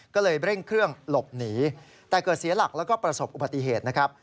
ก็เลยเร่งเครื่องหลบหนีแต่เกิดเสียหลักแล้วก็ประสบอุบัติเหตุนะครับ